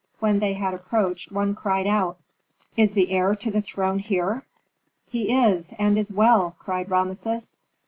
When they had approached one cried out, "Is the heir to the throne here?" "He is, and is well!" cried Rameses.